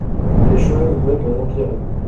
les choses vont en empirant.